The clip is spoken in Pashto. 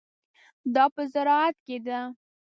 دا په زراعت کې ده.